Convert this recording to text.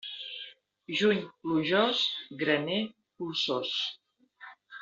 Juny plujós, graner polsós.